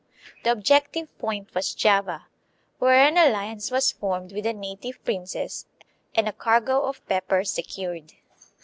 The objective point was Java, where an alliance was formed with the native princes and a cargo of pepper secured.